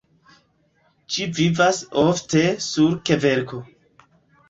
Ĝi vivas ofte sur kverko.